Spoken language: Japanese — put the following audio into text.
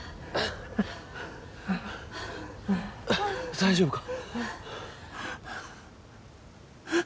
大丈夫か？